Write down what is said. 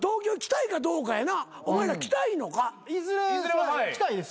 いずれ来たいです。